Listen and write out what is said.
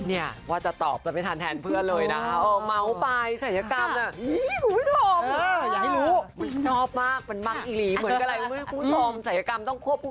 นี่ว่าจะตอบแต่ไม่ทานแทนเพื่อนเลยนะออกเมาท์ไปศัยกรรมน่ะอีขูชอบ